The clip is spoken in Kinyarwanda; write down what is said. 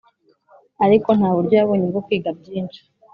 ariko nta buryo yabonye bwo kwiga byinshi